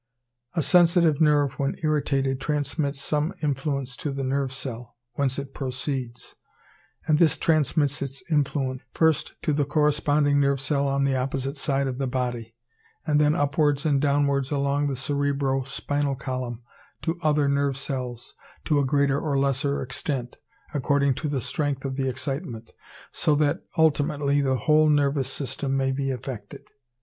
A sensitive nerve when irritated transmits some influence to the nerve cell, whence it proceeds; and this transmits its influence, first to the corresponding nerve cell on the opposite side of the body, and then upwards and downwards along the cerebro spinal column to other nerve cells, to a greater or less extent, according to the strength of the excitement; so that, ultimately, the whole nervous system maybe affected.